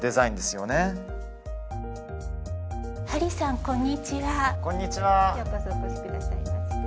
ようこそお越しくださいました